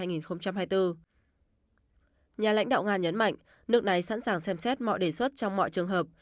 nhà lãnh đạo nga nhấn mạnh nước này sẵn sàng xem xét mọi đề xuất trong mọi trường hợp